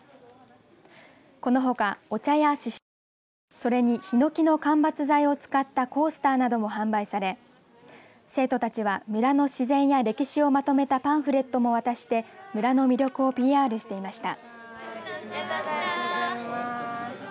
このほかお茶やシシトウそれにヒノキの間伐材を使ったコースターなども販売され生徒たちは村の自然や歴史をまとめたパンフレットも渡して村の魅力をＰＲしていました。